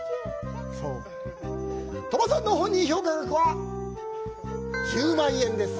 鳥羽さんの本人評価額は１０万円です。